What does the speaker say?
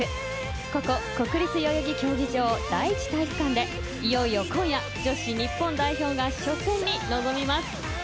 ここ、国立代々木競技場第一体育館でいよいよ今夜、女子日本代表が初戦に臨みます。